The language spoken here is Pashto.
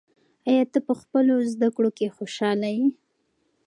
آیا ته په خپلو زده کړو کې خوشحاله یې؟